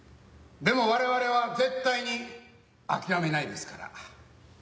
でも我々は絶対に諦めないですから。